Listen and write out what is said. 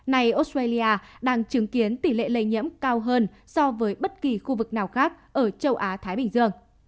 này australia đang chứng kiến tỷ lệ lây nhiễm cao hơn so với bất kỳ khu vực nào khác ở châu á thái bình dương